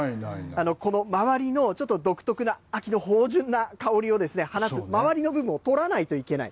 この周りのちょっと独特な秋の豊潤な香りを放つ周りの部分を取らないといけない。